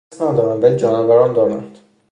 گیاهان حس ندارند ولی جانوران دارند.